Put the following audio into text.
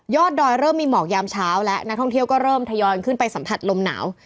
ดอยเริ่มมีหมอกยามเช้าและนักท่องเที่ยวก็เริ่มทยอยขึ้นไปสัมผัสลมหนาว